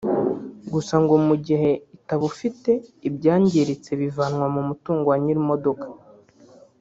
gusa ngo mu gihe itabufite ibyangiritse bivanwa mu mutungo wa nyir’imodoka